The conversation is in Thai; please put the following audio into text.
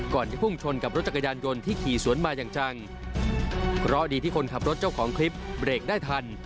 จะพุ่งชนกับรถจักรยานยนต์ที่ขี่สวนมาอย่างจังเพราะดีที่คนขับรถเจ้าของคลิปเบรกได้ทัน